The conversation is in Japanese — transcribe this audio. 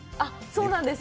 そうなんです。